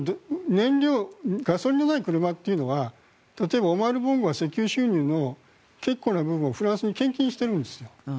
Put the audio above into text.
ガソリンのない車というのは例えばオマール・ボンゴは石油収入の結構な部分をフランスに献金しているんですよ。